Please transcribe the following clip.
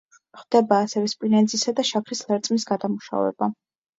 ხდება ასევე სპილენძისა და შაქრის ლერწმის გადამუშავება.